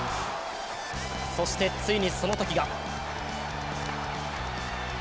そして、ついにそのときが。